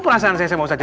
perasaan saya mau saja